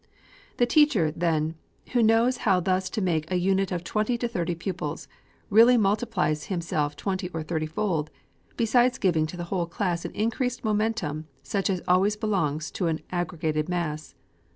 The teacher, then, who knows how thus to make a unit of twenty or thirty pupils, really multiplies himself twenty or thirty fold, besides giving to the whole class an increased momentum such as always belongs to an aggregated mass.